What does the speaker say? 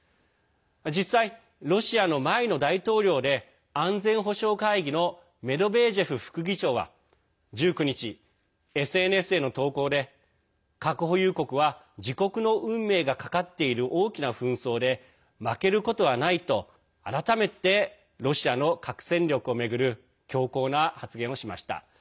実際、ロシアの前の大統領で安全保障会議のメドベージェフ副議長は１９日ＳＮＳへの投稿で核保有国は自国の運命がかかっている大きな紛争で負けることはないと改めて、ロシアの核戦力を巡る強硬な発言をしました。